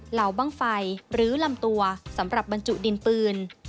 เหล่าบ้างไฟหรือลำตัวสำหรับบรรจุดินปืน